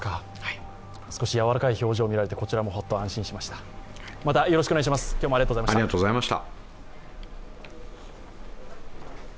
少し柔らかい表情が見られて、こちらもほっと安心しました。